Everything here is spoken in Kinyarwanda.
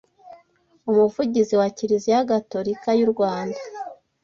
umuvugizi wa Kiliziya Gatolika y’u Rwanda